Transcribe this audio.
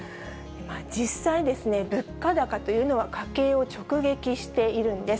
実際ですね、物価高というのは家計を直撃しているんです。